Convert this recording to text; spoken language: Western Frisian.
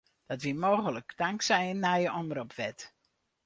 Dat wie mooglik tanksij in nije omropwet.